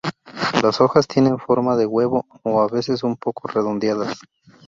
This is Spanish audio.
Las hojas tienen forma de huevo o a veces un poco redondeadas.